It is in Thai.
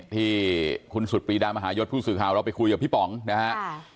ที่คุณสุดปรีดามหายศผู้สื่อข่าวเราไปคุยกับพี่ป๋องนะฮะ